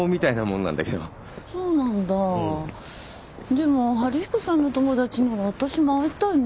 でも春彦さんの友達なら私も会いたいな。